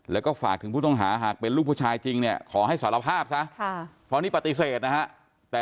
แล้วก็ฝากถึงผู้ต้องหาหากเป็นลูกผู้ชายจริงขอให้สารภาพซะ